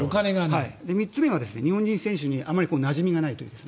３つ目は日本人選手にあまりなじみがないという。